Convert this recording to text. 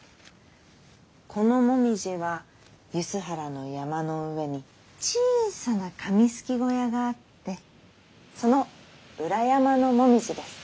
この紅葉は梼原の山の上に小さな紙すき小屋があってその裏山の紅葉です。